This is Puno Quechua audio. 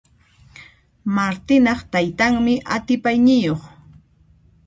Martinaq taytanmi atipayniyuq.